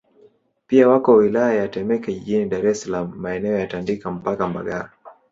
Pia wako wilaya ya Temeke jijini Dar es Salaam maeneo ya Tandika mpaka Mbagala